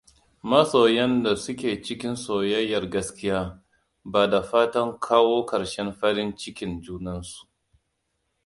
Masoyan da suke cikin soyayyar gaskiya bada fatan kawo ƙarshen farin ckin junansu.